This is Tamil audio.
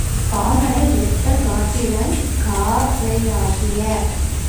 காமனை ஒத்த கட்டிளங் காளையாகிய சீவகனைக் கண்ட காரிகையர் காந்தருவதத்தையைக் கடிந்து கொண்டனர்.